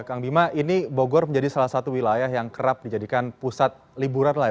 kang bima ini bogor menjadi salah satu wilayah yang kerap dijadikan pusat liburan lah